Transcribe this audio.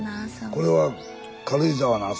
これは軽井沢の朝？